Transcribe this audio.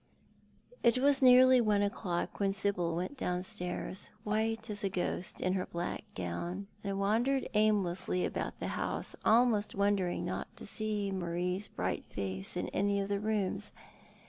It was nearly one o'clock when Sibyl went downstairs, white as a ghost, in her black gown, and wandered aimlessly about the house, almost wondering not to see Marie's bright face in any of the rooms.